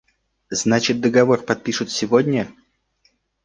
Значит, договор подпишут сегодня?